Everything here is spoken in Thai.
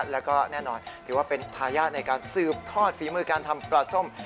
แล้วก็แน่นอนถือว่าเป็นทายาทในการสืบทอดฝีมือการทำปลาส้ม